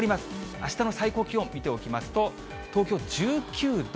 あしたの最高気温見ておきますと、東京１９度。